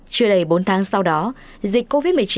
chưa đầy bốn tháng sau đó dịch covid một mươi chín